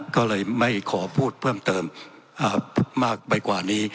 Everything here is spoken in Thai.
ก็เลยไม่ขอพูดเพิ่มเติมมากไปกว่านี้